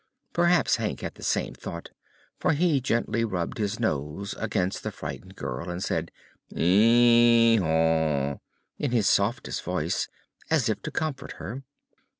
Perhaps Hank had the same thought, for he gently rubbed his nose against the frightened girl and said "Hee haw!" in his softest voice, as if to comfort her.